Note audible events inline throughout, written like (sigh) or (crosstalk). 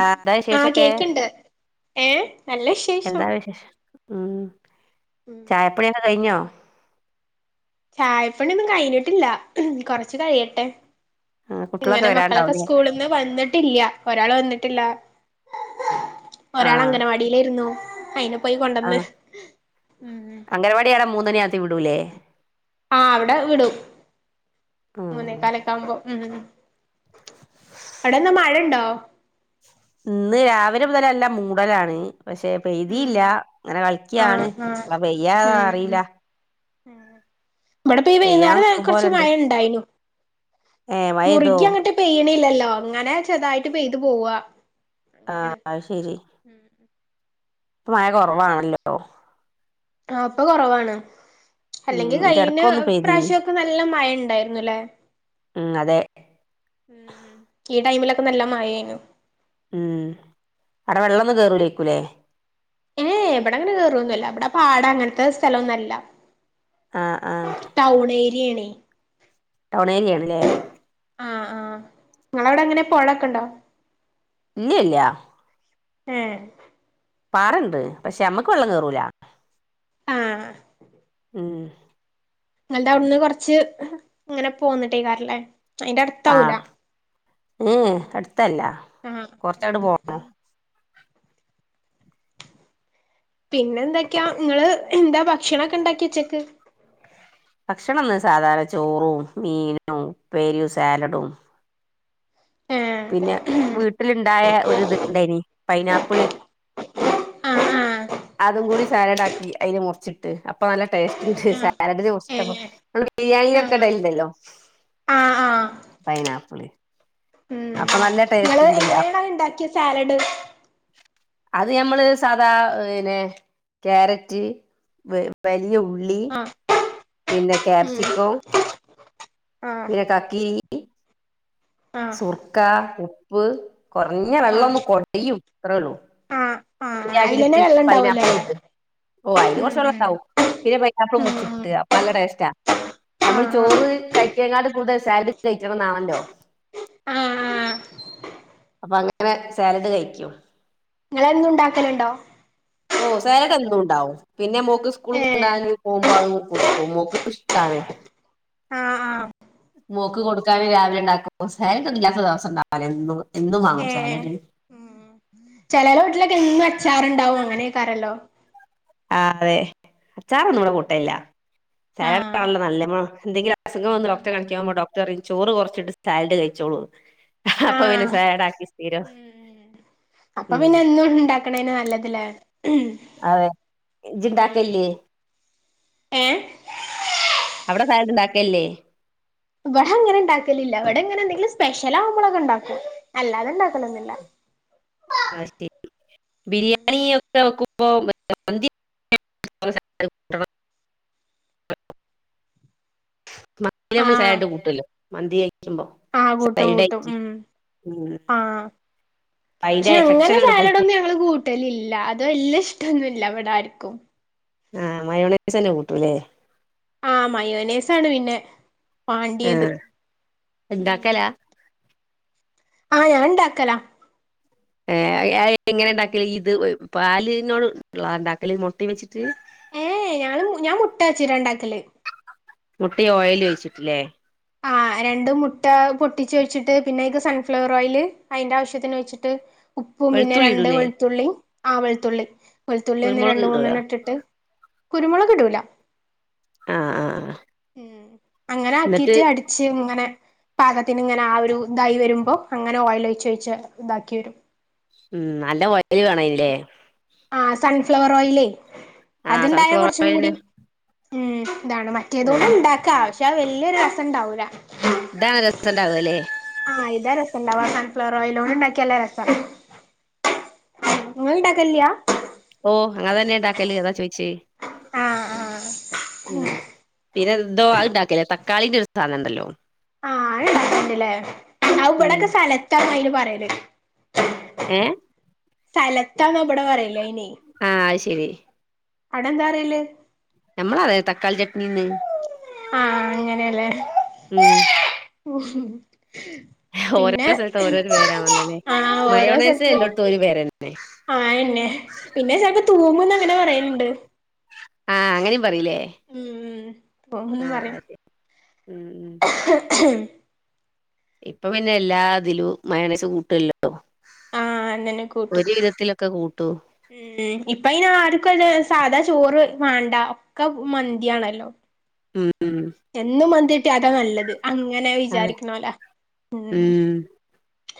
ആഹ് എന്താ ആ വിശേഷൊക്കെ കേക്ക്ണ്ട് ഏഹ് നല്ല വിശേഷം എന്താ വിശേഷം ഉം ഉം ചായപ്പണി ഒക്കെ കയിഞ്ഞോ ചായപ്പണിന്നും കഴിഞ്ഞിട്ടില്ല കൊറച്ചു കഴിയട്ടെ ആഹ് കുട്ടികളൊക്കെ ഇങ്ങനെ മക്കളൊക്കെ വരാണ്ടാവൂലേ സ്കൂളന്ന് വന്നിട്ടില്ല ഒരാൾ വന്നിട്ടില്ല. ഒരാൾ ആഹ് അംഗനവാടിയില ഇരുന്നു അയിനെ പോയി കൊണ്ടന്ന് ആഹ് ഉ അംഗനവാടി ആടെ മൂന്നണിയാകുമ്പത്തേക്ക് വിടൂലേ ആഹ് അവിടെ വിടും. ഉം മൂന്നേക്കാലൊക്കെ ആവുമ്പോ ഉം അവിടെന്താ മഴണ്ടോ ഇന്ന് രാവിലെ മുതല ല്ല മൂടലാണ്. പക്ഷെ ഉം പെയ്തീല്ല ഇങ്ങനെ ആഹ് കളിക്കാണ് ആഹ് എപ്പള പെയ്യാന്ന ഉം റീല്ല. ഉം. ഇവടെ പ ഈ വൈന്നാരം നിക്കും കുറച്ച് പോലെണ്ട് മഴ ഇണ്ടായിനു ഏഹ് മഴ പെയ്തോ മുറുകി അങ്ങട്ട് പെയ്യ്ണില്ല അങ്ങനെ ചെറുതായിട്ട് പെയ്ത് പോവാ ആ അങ്ങനെയാണ് അത് ശെരി ഉം ഇപ്പ മഴ കൊറവാണല്ലോ ആ ഇപ്പൊ കൊറവാണ് ഉം അല്ലെങ്കിൽ ഇതിന്റെ എടക്കൊന്ന് പെയ്തീനി കൈയിനെപ്രാവശ്യൊക്കെ നല്ല മയ ണ്ടായിരുന്നു ല്ലേ ഉം അതെ ഇ ടൈമിലൊ പ്പ നല്ല മയേനു ഉം അടെ വെള്ളൊന്നും കേറൂലേക്കു ലെ ഏ ഇവിടെ അങ്ങനെ കേറൊന്നുല്ല ഇവിടെ പാട അങ്ങനത്തെ സ്ഥലൊന്നും അല്ല ആ ആ എണ് ടൗൺ ഏരിയാ ണ്ല്ലേ ആ ആ നിങ്ങളവിടെ എങ്ങനെ പോഴക്കെ ണ്ടോ ഇല്ല ഇല്ല എ പാറണ്ട് പക്ഷെ ഞമ്മക്ക് വെള്ളം കേറൂല ആ ഉം നിങ്ങൾ ടവ്ട്ന്ന് കൊറച്ച് ഇങ്ങനെ പോന്നിട്ടേക്കാര ല്ലേ ആ ഏ അടുത്തല്ല ആ കൊറച്ചാണ്ട് പോണം പിന്നെ എന്തൊക്കെയാ നിങ്ങള് എന്താ ഭക്ഷണൊക്കെ ഇണ്ടാക്കെ ഉച്ചക്ക് ഭക്ഷണംന്ന് സാധാരണ ചോറും മീനും ഉപ്പേരിയും സാലഡും ഏ പിന്നെ വീട്ടില് ണ്ടായ ഒരു ഇത് ഇണ്ടേയ്നി പൈനാപ്പിള് ആ ആ അതും കൂടി സാലഡ് ആക്കി അയില് മുറിച്ചിട്ടപ്പൊ നല്ല ടേസ്റ്റ് ണ്ട് ആ സാലഡ്ല് ഏ മുറിച്ചട്ടപ്പോ നമ്മ ആ ബിരിയാണിക്കൊല്ലെ ഇടണ്ടല്ലോ ആ ആ പൈനാപ്പിള് അപ്പൊ നല്ല ടേസ്റ്റ് ണ്ട് അ അര്ണ്ടാക്കിയ സാലഡ് അത് ഞമ്മള് സാധാ ക്യാരറ്റ് വല്യ ഉ ള്ളി ഉം ആഹ് പിന്നെ ക്യാപ്സിക്കം ആഹ് പിന്നെ കക്കിരി സുർക്ക, ഉപ്പ് കുറഞ്ഞ ആഹ് വെള്ളൊന്ന് കൊടിയുംഅത്രേള്ളൂ ആഹ് ആഹ് യാക്കിട്ട് അയിലന്നെ പിന്നെ വെള്ളം ഉണ്ടാവൂലേ പൈനാപ്പിളും ഇട്ട് ഓ അയില് ഉം കൊറച്ച് വെള്ളണ്ടാവും പിന്നെ പൈനാപ്ളും ഉം ഉം ഉം മുറിച്ചിട്ട് അപ്പൊ നല്ല ടേസ്റ്റാ നമ്മൾ ആഹ് ആഹ് ചോറ് കഴിക്കഴങ്ങാട്ട കൂടുതൽ സാലഡ് കഴിക്കണം ന്നാണല്ലോ ആഹ് ആഹ് അപ്പൊ അങ്ങനെ സാലഡ് കയ്ച്ചു നിങ്ങളെന്നും ണ്ടാക്കലുണ്ടോ ഓ സാലഡ് എന്നുണ്ടാവും പിന്നെ മോക്ക് സ്കൂൾ ഏഹ് കൊണ്ടാന് പോകുമ്പോ അത് കൊടുക്കും മോക്ക് ഇഷ്ട ആഹ് ആഹ് മോക്ക് കൊടുക്കാന് രാവിലെ ണ്ടാക്കും സാലഡ്ഇല്ലാത്ത ദിവസം ഉണ്ടാവൂല എന്നും എന്നും വാങ്ങും സാലഡ് ചേലോലെ വീട്ടിലൊക്കെ എന്നും അച്ചാറുണ്ടാവും അങ്ങനെക്കാരല്ലോ ആ അതെ അച്ചാറൊന്നും ഉം ഇവടെകൂട്ടലില്ല സാലഡ് ആഹ് ഇപ്പോ നല്ല എന്തെങ്കിലും അസുഖം വന്ന് ഉം ഡോക്ടറെക കണിക്കുമ്പോ ഡോക്ട ന്നിട്ട് പറിചോറ് കുറച്ചിട്ട് സാലഡ് കഴിച്ചോളൂ അപ്പൊ വിനെ ആഹ് സാല ട്ക്കി സ്ഥിരംഉം ഉം ഇംഗ്ലാ് അതെ ജിണ്ടാക്കല്ലേ ഏ അവിടെ നായട്ടണ്ടാക്കല്ലേ ഇവിടെ അങ്ങനെ ഇണ്ടാക്കലില്ല ഇവിടെങ്ങനെ എന്തെങ്കിലും സ്പെഷ്യൽ ആവുമ്പോളൊക്കെ ഉണ്ടാക്കോ അല്ലാതെ ഇണ്ടാക്കലൊന്നുമില്ല ആ ശരി ബിരിയാണി ഒക്കെക്ക അപ്പ വ മതി നമ്മൾ സായിട്ട് കൂട്ടല്ലോ മന്തി കഴിക്കുമ്പോ ആഹ കൂട്ടും സൈഡ് കൂട്ടും ആയിട്ട് ഉ ഉം ആഹ അതിന്റെ പക്ഷെ എഫെക്ഷൻ അങ്ങനെ അങ്ങട് പോയിപ്പോ സാലഡൊന്നും ഞങ്ങള് കൂട്ടലില്ല അത എല്ല ഇഷ്ടംൊന്നും എല്ലവട ആായിരിക്കും ആഹ മയോണസ തന്നെ കൂട്ടൂല്ലേ ആഹ മയോനേസ് ആാണ് പിന്നെ വാണ്ടിയത് ആഹ എന്താക്കല ആഹ ഞാൻ ഉണ്ടാക്കല ആഹ എങ്ങനെ ഉണ്ടാക്കിയൽ ഇത് പാലോട് ഉള്ളണ്ടാക്കല മുട്ടയും വെച്ചിട്ട് ഏ് ഞങ്ങള് ഞാൻ മുട്ടാച്ചി രണ്ടാക്കല് മുട്ടി ഓയിൽ വഴിച്ചിട്ടില്ലേ ആ രണ്ടണ്ട് മുട്ട പൊട്ടിച്ച വെച്ചിട്ട് പിന്നെക്ക് സൺഫ്ലവർ ഓയിയില് അതിന്റെ ആവശ്യത്തിന് വെച്ചിട്ട് ഉപ്പും പിന്നെ വെളുത്തുള്ളി രണ്ട് ഇടൂലേ വെളുത്തുള്ളി ആവൽത്തുള്ളി കൊെളത്തുള്ളി ഒന്ന് കുരുമുളക് രണ്ട ഇടൂല മൂന്നെണ്ണം ഇട്ടിട്ട് കുരുമുളക് കടുൂല ആഹ ആഹ ഉം അങ്ങനെ ആക്കീട്ട് അടിച്ച് ഇങ്ങനെ പാകത്തിന് ഇങ്ങനെ ആ ഒരു ഇതായി വരുമ്പോ അങ്ങനെ ഓയിൽ ഒഴച്ച് വഴച്ച് ഇതാക്കി വരും ഉം നല്ല വയല് വേണല്ലേ ആ സൺഫ്ലവർ ഓയിയിലേ ആഹ് അത്ണ്ടായാ സൺഫ്ലവർ കൊറച്ചും കൂടി ഓയിലെന്നെ ഉം ഇതാണ് മറ്റേത കൊും ആഹ് ഉണ്ടാക്കാം ആശ്യം പാ വല്ിയൊരു രസംണ്ടാവൂരാ ഇാ രസം ഉണ്ടാക അല്ലേ ആഹ ഇതാ രസം ഇണ്ടവാ സൺഫ്ലോർ ഓയിൽ ഒന്ന ഉണ്ടാക്കിയല്ല രസം നിങ്ങ ഉണ്ടാക്കല്ലയാ ഓ അങ്ങനെ തന്നെയ ഉണ്ടാക്കല് അതാ ചോയിച്ചേ ആഹ് ആഹ് ഇത് എന്തോ അതുണ്ടാക്കില്ലേ തക്കളിന്റെ ഒരു സാധനം ഉണ്ടല്ലോ ആ അത് ഇണ്ടാക്കലുണ്ട് ഇല്ലേ ആ ഉം ഇവിടെക്കെ സലത്താന്നാ യലും. പറയല് ഏഹ് സൈലത്താന്ന് ഇവിടെ പറയില് അയിന് ആ അത് ശരി. അവിടെന്താ പറയല്. നമ്മള് അവിടെ തക്കാളി ചട്നിന്ന്. ആ അങ്ങനെയല്ലേ. ഉം. (inaudible) ഓരോ പിന്നെ സ്ഥലത്ത് ഓരോരോ പേരാണല്ലോല്ലേ ആ ഓരോ മയോണൈസ് സ്ഥലത്തും എല്ലോടത്തും ഒരു പേരന്നെ ആ അയന്നെ പിന്നെ ചെലപ്പോ തൂ മെന്ന് അങ്ങനെ പറയുന്നുണ്ട്. ആഹ് അങ്ങനെയും. പറയിലെ (unintelligible) പറയും ഉം ഇപ്പൊ പിന്നെ എല്ലാ ഇതിലും മയോണൈസ് കൂട്ടുഇല്ലല്ലോ ആഹ് അതെന്നെ കൂട്ടും ഒരു വിധത്തിലൊക്കെ കൂട്ടൂ ഉം ഇപ്പ അയിന് ആർക്കും സാധാ ചോറ് വേണ്ട ഒക്കെ മന്തിയാണല്ലോ. ഉം. എന്നും മന്തി. കിട്ടിയാ അതാ നല്ലത് അങ്ങനെ അതെ വിചാരിക്കണവല്ലോ ഉം.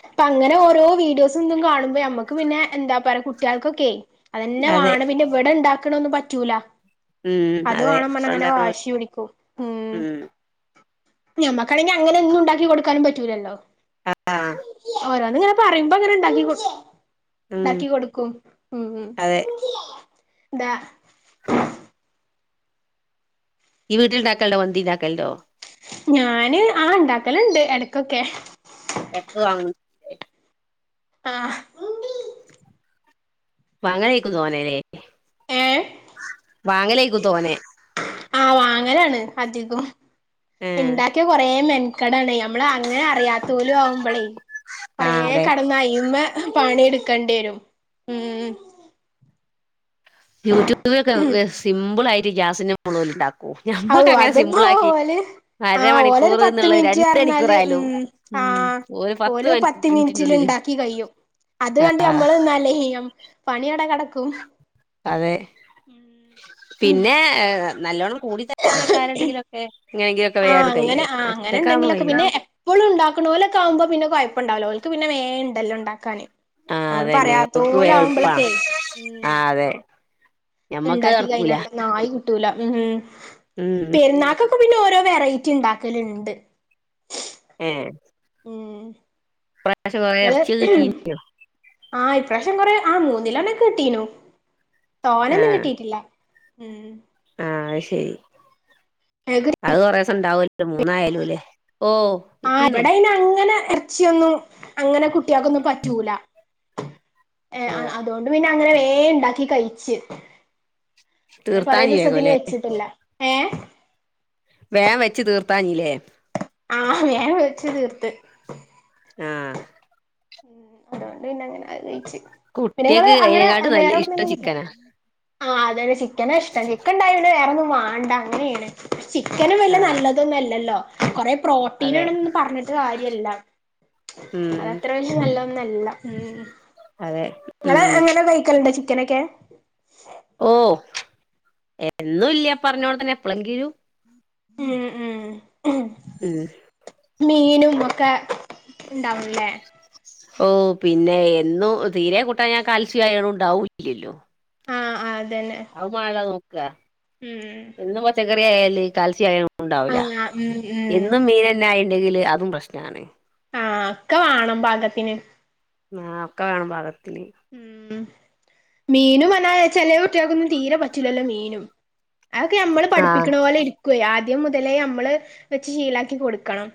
അപ്പം അങ്ങനെ ഓരോ വീഡിയോസ് എന്നും കാണുമ്പോ ന മ്മക്ക് പിന്നെ എന്താ പറയാ കുട്ടികൾക്കൊക്കെയെ. അതന്നെ അതെ വാണം പിന്നെ ഇവിടെ ഇ ണ്ടാക്ക ക്കണതൊന്നും പറ്റൂല ഉം അത് അതെ വാണമെന്ന് അങ്ങനെ ഉണ്ടാക്കണ വാശി പിടിക്കും ഉം. ഞമ്മക്കാണെങ്കിൽ അങ്ങനെ എന്നും ഉണ്ടാക്കി കൊടുക്കാനും പറ്റൂലല്ലോ ആഹ്. ഓരോന്നിങ്ങനെ പറയുമ്പോ ഇ ങ്ങനെ ഉണ്ടാക്കി കൊടു. ഉം ഉണ്ടാക്കി കൊടുക്കും ഉം ഉം. അതെ ദാ ഈ വീട്ടിലുണ്ടാക്കല് മന്തി ഉണ്ടാക്കലൊണ്ടോ ഞാന് ആ ഉണ്ടാക്കലുണ്ട് എടക്കൊക്കെ. എടക്ക് വാങ്ങു ആഹ് വാങ്ങാൻ ഇരിക്കും തോന്നല്ല്. ഏ വാങ്ങലേക്കും തോനെ ആ വാങ്ങ അങ്ങനാണ് അധികവും. ഏഹ് ഉണ്ടാക്കിയ കൊറെ മെൻ കട അടയും ഇവിടെ അങ്ങനെ അറിയാത്ത പോലും ആവുമ്പോളേ കൊറേ ആഹ് അതെ കെടന്ന് അതിലുമ്മേ പണി എടു ക്കേണ്ടി വരും ഉം യൂടൂബ് സിമ്പിൾ ആയി (unintelligible) ഔ അത്പ്പോ ഓല് ആഹ് ഓല് ഒരു അരമണിക്കൂർ പത്ത് എന്നുള്ളത് മിനിറ്റ് രണ്ട് പറഞ്ഞാല് മണിക്കൂറായാലും ഉം ഉം ആഹ് ഒരു ഓല് പത്ത് മിനിറ്റിന്റെ മിനിറ്റില് ഉള്ളില് ഉണ്ടാക്കി കഴിയും അത് കണ്ട് നമ്മള് നിന്നാലേ- പണിയവിടെ കിടക്കും അതെ പിന്നെ ഏ നല്ലോണം ആഹ് വേഗം അങ്ങനെ കഴിയും ആഹ് അങ്ങനെ ഒറ്റക്കാവുമ്പോ എന്തെങ്കിലും ഒക്കെ കഴിയൂല പിന്നെ എപ്പോഴും ഉണ്ടാക്കണ പോലൊക്കെ ആവുമ്പോ പിന്നെ വ ഉണ്ടാവലൊ ഓല്ക്ക് പിന്നെ വേണ്ടല്ലോ ഉണ്ടാക്കാന് ആ നമ്മള് അതന്നെ ഓക്ക് പറയാത്തോല് വേഗം എളുപ്പാ ആവുമ്പളൊക്കെ ആ ഉം അതെ ഞമ്മക്ക് ഇണ്ടാക്കി നടക്കൂല കഴിഞ്ഞാലെ നായി കിട്ടൂല ഉം ഉം പെരുന്നാക്കൊക്കെ പിന്നെ ഓരോ വെറൈറ്റി ഇണ്ടാക്കലുണ്ട് ഏഹ് ഉം പക്ഷെ കൊറേ ഇങ്ങള് എറ്ച്യക്കെ കിട്ടീനൊ ആഹ് ഇപ്രാവശ്യം കൊറെ ആഹ് മൂന്നിലോന കിട്ടീനു തോനൊന്നും കിട്ടീട്ടില്ല ഉം ആഹ് അത് ശെരി അത് കൊറേ ഇണ്ടാവല്ലോ മൂന്നായാലു ല്ലേ ആഹ് ഇവിടയ്നങ്ങനെ എറ്ച്ചിയൊന്നും അങ്ങനെ കുട്ട്യേൾക്കൊന്നും പറ്റൂല ഏഹ് ആ അതുകൊണ്ട് പിന്നെ. അങ്ങനെ വേ ഉണ്ടാക്കി കഴിച്ച് അങ്ങനെ കൊറെ തീർത്താഞ്ഞി വേഗം ദിവസതിന് ല്ലേ വെച്ചിട്ടില്ല ഏഹ് വേൻ വെച്ച് തീർത്താനല്ലേ ആഹ് വേഗം വെച്ചു തീർത്ത് ആഹ് ഉം അതുകൊണ്ട് പിന്നെ അങ്ങനെ അത് കഴിച്ച് പിന്ന ഇങ്ങള് കുട്ടിയക്ക് അങ്ങനെ അതിനെക്കാട്ടും നല്ല വേറെ ഇഷ്ടം എവിടുന്നെങ്കിലും കിട്ടു ചിക്കനാ അതെ അതെ ചിക്കന ഇഷ്ടം ചിക്കൻ ഉണ്ടായ വേറെ വേണ്ട അങ്ങനെയാണ് ചിക്കനും വല്ല ആ നല്ലതൊന്നുംല്ലല്ലോ കൊറെ പ്രോട്ടീന അതെ ആണന്ന് പറഞ്ഞിട്ട് കാര്യല്ല ഉം നല്ലോന്നും അല്ല ഉം അതെ ഉം ങ്ങള്അങ്ങനെ കഴിക്കലുണ്ടോ ചിക്ക ചിക്കനെക്കെ ഓ എ എന്നും ഇല്ല പറഞ്ഞോടെത്തന്നെ എപ്പോളങ്കിലും ഉം ഉം ഉം മീനും ഒക്കെ ഒണ്ടാവുംല്ലേ ഓ പിന്നെ എന്നും തീരെ കൂട്ടാഞാ കാൽസ്യമായണും ഉണ്ടാവില്ലല്ലോ ആഹ് ആഹ് അതന്നെ (unintelligible) ഉം എന്നും വെച്ച കറി ആയാലും ഈ കാൽസ്യമായാണും ഉണ്ടാവുല ആഹ് ഉം ഉം എന്നും മീനന്നെ ആ അല്ലെങ്കില് അതും പ്രശ്നാണ് ആ ഒക്കെ വാണം പാകത്തിന് ആ ഒക്കെ വേണം പാകതി മ് മീനും വല്ലാതെ ചേലെ കുട്ടിയക്കൊന്നും തീരെ പറ്റില്ലല്ലോ മീനും അതൊക്കെ നമ്മള് ആഹ് പഠിപ്പിക്കുന്ന പോലെ ഇരിക്കുവേ ആ ആദ്യം മുതലേ നമ്മള് വെച്ച് ശീലാക്കി കൊടുക്കണം.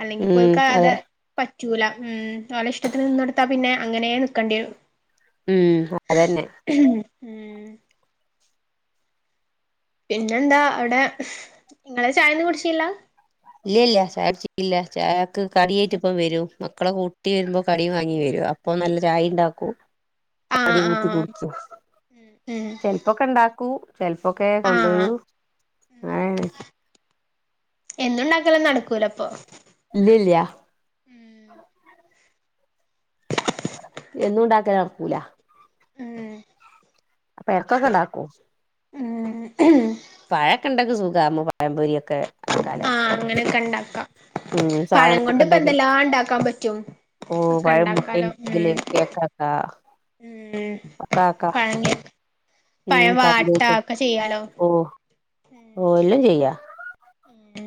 അല്ലെങ്കി ഉം പോൽക്ക അത് അതെ പ റ്റൂല ഉം ഓല ഇഷ്ടത്തിൽ നിന്നെടുത്താ പിന്നെ അങ്ങനെ നിക്കണ്ടി വരും ഉം അതന്നെ ഉം പിന്നെന്താ അവിടെ ങ്ങള് ചായൊന്ന് കുടിച്ചില്ല ഇല്ല ഇല്ല ചായ കുടിച്ചിട്ടില്ല ചായ കടിയായിട്ട് ഇപ്പം വരും മക്കളെ കൂട്ടി വരുമ്പോ കടി വാങ്ങി വരൂ അപ്പൊ നല്ല ചായി ഇണ്ടാക്കും കാടി ആഹ് കൂട്ടി ആഹ് കുടിക്കു ഉം ചെലപ്പോക്കെ ണ്ടാക്കൂ ചെൽപ്പൊക്കെ ആഹ് കൊണ്ടുവരൂ അങ്ങനെണ് എന്നും ഉണ്ടാക്കല് നടക്കൂല അപ്പൊ അതില്ല്യ ഉം എന്നും ഉണ്ടാക്കാൻ നടക്കൂല അപ്പം ഇടയ്ക്കൊക്കെ ഉണ്ടാക്കുവോ ഉം പഴവൊക്കെയുണ്ട് ഇന്ന് സുഖാരുന്നു പഴം പൊരിയൊ ആഹ് അങ്ങനെ കണ്ടാ ക ഉം സാധനൊക്കെ ഉണ്ടെങ്കിൽ ഇണ്ടാക്കാൻ പറ്റും ഓ ഒക്കെ പഴം ഇണ്ടാക്കാലോ ഉം ഉം (unintelligible) പഴങ്കി പഴം വാട്ട ഉം ഒക്കെ ചെയ്യാലോ ഓ ഓ എല്ലാം ചെയ്യാം ഉം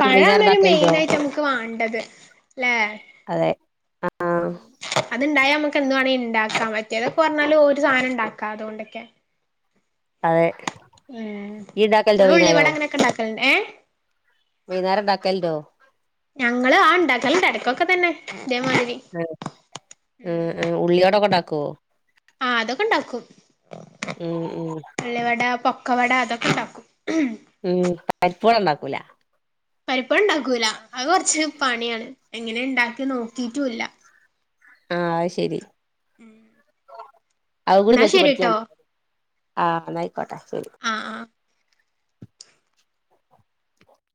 പഴം വൈന്നേരം ആണൊരു മെയിൻ ഉണ്ടാക്കലുണ്ടോ ആയിട്ട് നമുക്ക് വേണ്ടത് അല്ലേ അതെ അതുണ്ടായാ നമുക്ക് എന്തു വേണേ ഇണ്ടാക്കാൻ പറ്റിയതൊക്കെ പറഞ്ഞാലും ഒരു സാധനം ഉണ്ടാക്കാം അതുകൊണ്ടൊക്കെ അതെ ഇയ്യ് ഉണ്ടാക്കലുണ്ടോ ഉം ഉള്ളി വട അങ്ങനൊക്കെ ഉണ്ടാക്കലണ്ട് ഏ വൈകുന്നേരം ഉണ്ടാക്കലുണ്ടോ ഞങ്ങള് ആഹ് ഉണ്ടാക്കലുണ്ട് ഇടയ്ക്കൊക്കെ തന്നെ അതേമാതിരി ഉം ഉം ആഹ് അതൊക്കെ ഉണ്ടാക്കും ഉം ഉം ഉള്ളി വട പ ക്കുവട അതൊക്കെ ഉണ്ടാക്കും ഉം (unintelligible) ഇപ്പോള് ഉണ്ടാക്കൂല പരിപ്പ് വട ഉണ്ടാക്കൂല അത് കൊറച്ച് പണിയാണ് എങ്ങനെ ഇണ്ടാക്കി നോക്കിട്ടും ഇല്ല ആഹ് അത് ശരി അവ കൂടി ഇന്നാ നോക്കി പഠിക്കാൻ ശരിട്ടോ എന്നാ ആയിക്കോട്ടെ ശരി ആഹ് ആഹ്